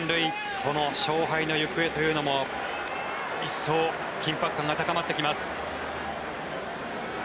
この勝敗の行方というのも一層、緊迫感が高まってきます。